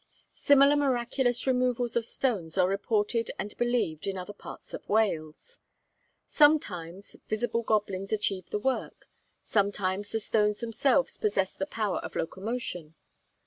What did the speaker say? Similar miraculous removals of stones are reported and believed in other parts of Wales. Sometimes visible goblins achieve the work; sometimes the stones themselves possess the power of locomotion.